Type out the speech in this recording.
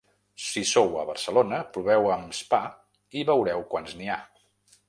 Si sou a Barcelona, proveu amb ‘spa’ i veureu quants n’hi ha!